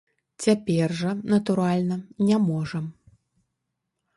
Цяпер жа, натуральна, не можам.